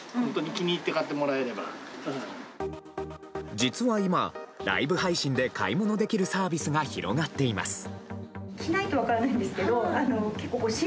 実は今、ライブ配信で買い物できるサービスが広がっています。